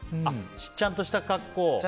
ちゃんとした格好。